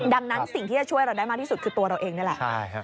ดังนั้นสิ่งที่จะช่วยเราได้มากที่สุดคือตัวเราเองนี่แหละ